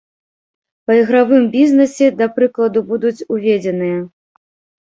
Па ігравым бізнесе, да прыкладу, будуць уведзеныя.